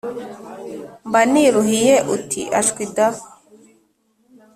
mba niruhiye uti ashwi da